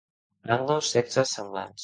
Ambdós sexes semblants.